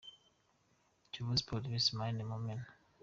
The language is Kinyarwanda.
Kiyovu Sports vs Marines – Mumena.